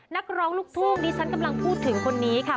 นักร้องลูกทุ่งดิฉันกำลังพูดถึงคนนี้ค่ะ